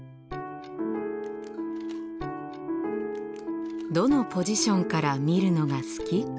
どのポジションから見るのが好き？